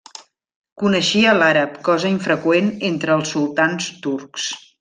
Coneixia l'àrab cosa infreqüent entre els sultans turcs.